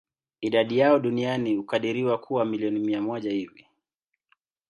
Idadi yao duniani hukadiriwa kuwa milioni mia moja hivi.